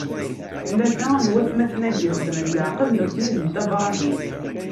Tlata n watmaten-agi xedmen leɛqed nutni d Dda Bṛahim.